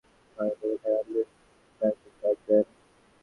গতকাল সকালে আবারও বাবার বাড়ি থেকে টাকা আনতে তাঁকে চাপ দেন।